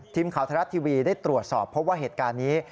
ทีมข่าวธรรมดาทีวีได้ตรวจสอบพบว่าเหตุการณ์นี้